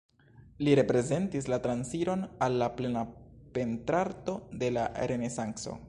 Li reprezentis la transiron al la plena pentrarto de la Renesanco.